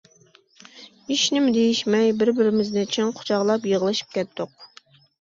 ھېچنېمە دېيىشمەي بىر-بىرىمىزنى چىڭ قۇچاقلاپ يىغلىشىپ كەتتۇق.